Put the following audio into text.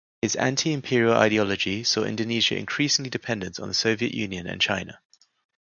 His anti-imperial ideology saw Indonesia increasingly dependent on the Soviet Union and China.